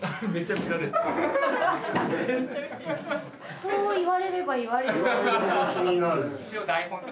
そう言われれば言われるほど。